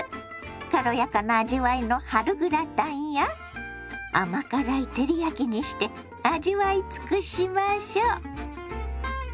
軽やかな味わいの春グラタンや甘辛い照り焼きにして味わい尽くしましょ。